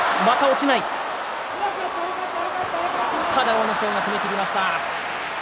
阿武咲が攻めきりました。